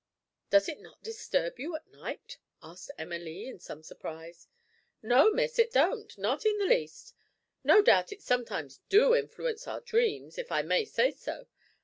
"Does it not disturb you at night?" asked Emma Lee in some surprise. "No, Miss, it don't not in the least. No doubt it sometimes do influence our dreams, if I may say so.